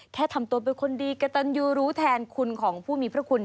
ทำตัวเป็นคนดีกระตันยูรู้แทนคุณของผู้มีพระคุณ